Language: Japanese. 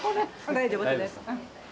大丈夫ですうん。